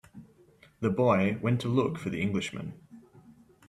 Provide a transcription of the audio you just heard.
The boy went to look for the Englishman.